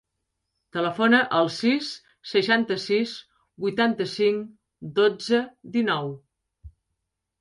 Telefona al sis, seixanta-sis, vuitanta-cinc, dotze, dinou.